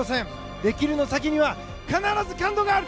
できるの先には必ず感動がある！